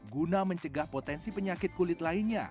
guna mencegah potensi penyakit kulit lainnya